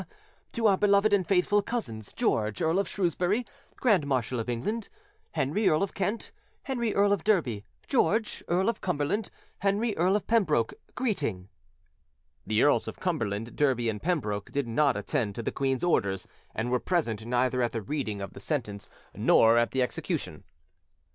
to our beloved and faithful cousins, George, Earl of Shrewsbury, Grand Marshal of England; Henry, Earl of Kent; Henry, Earl of Derby; George, Earl of Cumberland; Henry, Earl of Pembroke, greeting: [The Earls of Cumberland, Derby, and Pembroke did not attend to the queen's orders, and were present neither at the reading of the sentence nor at the execution.